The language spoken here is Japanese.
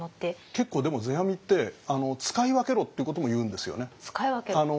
結構でも世阿弥って使い分けろってことも言うんですよね。